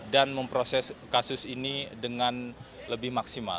dan memproses kasus ini dengan lebih maksimal